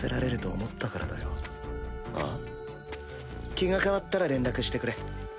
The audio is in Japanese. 気が変わったら連絡してくれ。